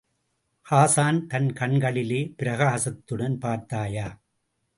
ஹாஸான், தன் கண்களிலே பிரகாசத்துடன், பார்த்தாயா?